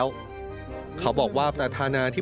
การพบกันในวันนี้ปิดท้ายด้วยการรับประทานอาหารค่ำร่วมกัน